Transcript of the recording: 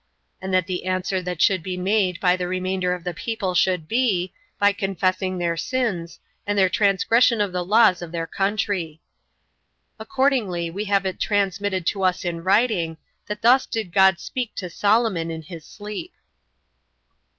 and that the answer that should be made by the remainder of the people should be, by confessing their sins, and their transgression of the laws of their country. Accordingly we have it transmitted to us in writing, that thus did God speak to Solomon in his sleep.